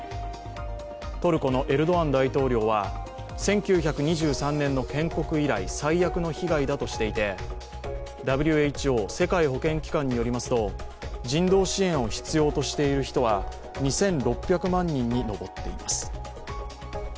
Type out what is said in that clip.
トルコのエルドアン大統領は１９２３年の建国以来、最悪の被害だとしていて、ＷＨＯ＝世界保健機関によりますと人道支援を必要としている人は２６００万人に上っています。